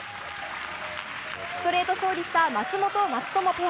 ストレート勝利した松本、松友ペア。